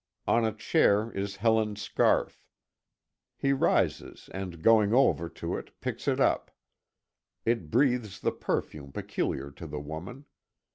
On a chair is Helen's scarf. He rises and going over to it picks it up. It breathes the perfume peculiar to the woman.